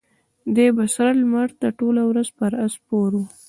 دی به سره لمر ته ټوله ورځ پر آس سپور و.